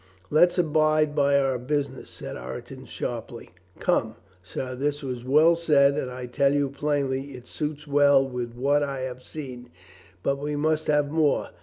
"Let's abide by our business," said Ireton sharply. "Come, sir, this was well said and I tell you plainly it suits well with what I have seen. But we must have more.